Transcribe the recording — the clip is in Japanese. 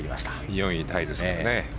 ４位タイですね。